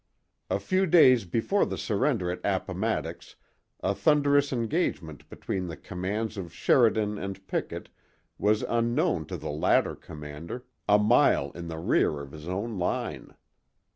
A few days before the surrender at Appomattox a thunderous engagement between the commands of Sheridan and Pickett was unknown to the latter commander, a mile in the rear of his own line.